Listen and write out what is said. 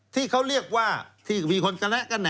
ที่เขาเรียกว่าที่มีคนแกะแหนกว่า